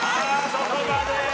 そこまで！